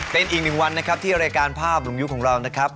เป็นอีกหนึ่งวันนะครับที่รายการภาพลุงยุคของเรานะครับ